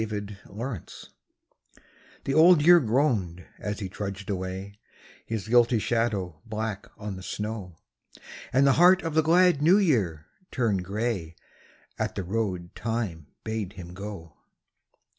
BLOOD ROAD THE Old Year groaned as he trudged away, His guilty shadow black on the snow, And the heart of the glad New Year turned grey At the road Time bade him go.